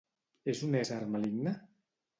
És un ésser maligne?